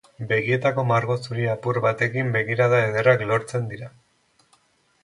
Begietako margo zuri apur batekin begirada ederrak lortzen dira.